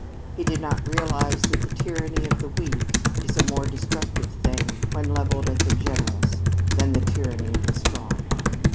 He did not realize that the tyranny of the weak is a more destructive thing when levelled at the generous than the tyranny of the strong.